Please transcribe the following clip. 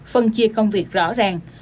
phân chia công việc rõ ràng